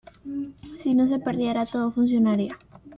Si no se perdiera, todo funcionaría.